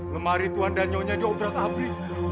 lemari tuan dan yonya diobrak abrik